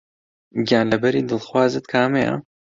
گیانلەبەری دڵخوازت کامەیە؟